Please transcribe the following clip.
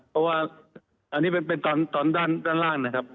เพราะว่าอันนี้เป็นตอนด้านล่างนะครับ